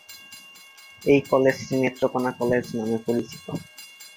এই কলেজটি "নেত্রকোণা কলেজ" নামে পরিচিত।